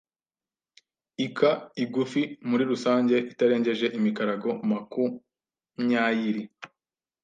ika igufi muri rusange itarengeje imikarago makumyairi